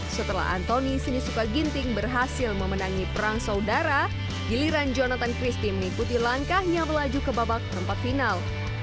setelah antoni sinisuka ginting berhasil memenangi perang saudara giliran jonathan christie mengikuti langkahnya melaju ke babak perempat final